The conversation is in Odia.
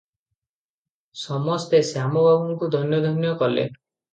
ସମସ୍ତେ ଶ୍ୟାମ ବାବୁଙ୍କୁ ଧନ୍ୟ ଧନ୍ୟ କଲେ ।